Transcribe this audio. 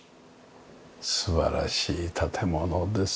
素晴らしい建物です。